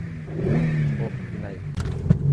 ওহ, কিনাই।